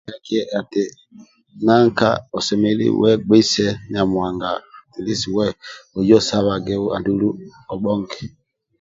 Eti nanka osemelelu wegbeise nyamuhanga oye osabage andulu obhonge